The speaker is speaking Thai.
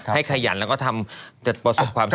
ให้ขยันแล้วก็ทำประสบความสำเร็จ